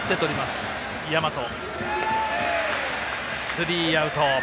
スリーアウト。